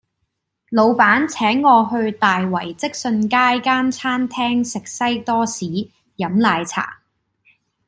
老闆請我去大圍積信街間餐廳食西多士飲奶茶